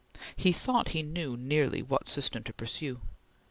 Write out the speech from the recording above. He thought he knew nearly what system to pursue.